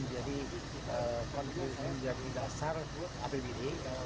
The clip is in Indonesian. ini jadi dasar untuk apbd untuk bisa memberikan juga dan juga meringankan keputusan